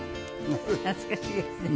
懐かしいですね。